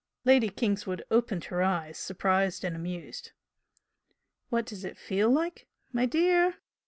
Lady Kingswood opened her eyes, surprised and amused. "What does it feel like? My dear